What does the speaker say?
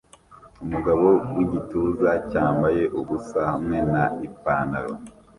Umugabo wigituza cyambaye ubusa hamwe na Ipanaro